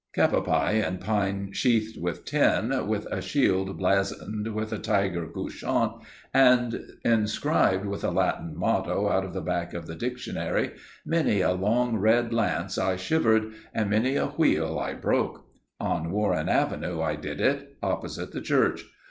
Cap à pie in pine sheathed with tin, with a shield blazoned with a tiger couchant, and inscribed with a Latin motto out of the back of the dictionary, many a long red lance I shivered, and many a wheel I broke. On Warren Avenue I did it, opposite the church.